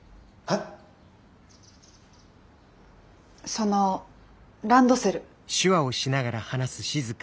そのランドセル。